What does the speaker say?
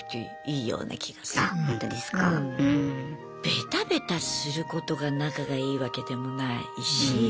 ベタベタすることが仲がいいわけでもないし。